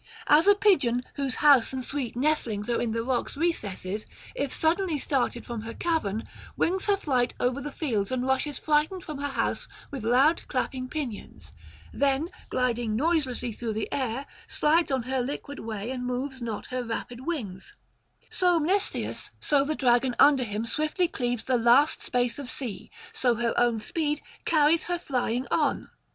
As a pigeon whose house and sweet nestlings are in the rock's recesses, if suddenly startled from her cavern, wings her flight over the fields and rushes frightened from her house with loud clapping pinions; then gliding noiselessly through the air, slides on her liquid way and moves not her rapid wings; so Mnestheus, so the Dragon under him swiftly cleaves the last space of sea, so her own speed carries her flying on.